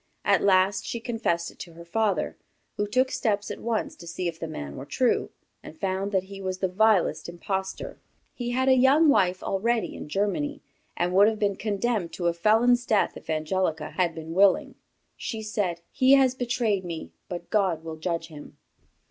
At last, she confessed it to her father, who took steps at once to see if the man were true, and found that he was the vilest impostor. He had a young wife already in Germany, and would have been condemned to a felon's death if Angelica had been willing. She said, "He has betrayed me; but God will judge him."